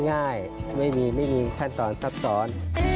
ง่ายไม่มีขั้นตอนทรัพย์สอน